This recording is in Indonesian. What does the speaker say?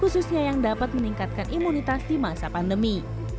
sangat cocok sekali